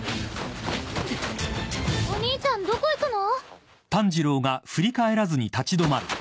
お兄ちゃんどこ行くの？